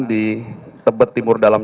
di tebet timur dalam